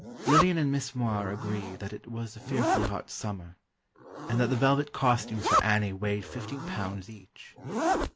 Lillian and Miss Moir agree that it was a fearfully hot summer, and that the velvet costumes for Annie weighed fifteen pounds each.